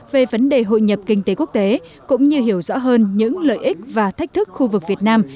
về vấn đề hội nhập kinh tế quốc tế cũng như hiểu rõ hơn những lợi ích và thách thức khu vực việt nam